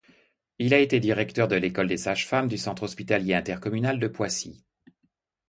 Il a été directeur de l'école des sages-femmes du centre hospitalier intercommunal de Poissy.